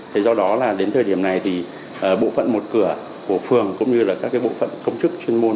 thế do đó là đến thời điểm này thì bộ phận một cửa của phường cũng như là các bộ phận công chức chuyên môn